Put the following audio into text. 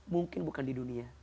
mungkin bukan di dunia